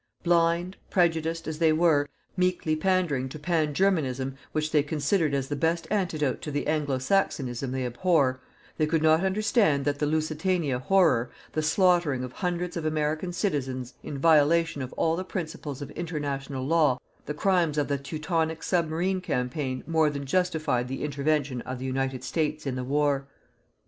Blind, prejudiced, as they were, meekly pandering to pan Germanism which they considered as the best antidote to the Anglo Saxonism they abhor, they could not understand that the Lusitania horror, the slaughtering of hundreds of American citizens in violation of all the principles of International Law, the crimes of the Teutonic submarine campaign more than justified the intervention of the United States in the war.